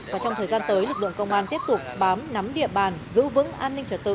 và trong thời gian tới lực lượng công an tiếp tục bám nắm địa bàn giữ vững an ninh trật tự